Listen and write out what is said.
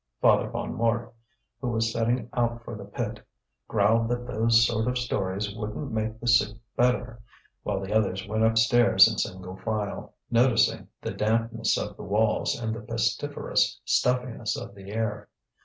Father Bonnemort, who was setting out for the pit, growled that those sort of stories wouldn't make the soup better; while the others went upstairs in single file, noticing the dampness of the walls and the pestiferous stuffiness of the air.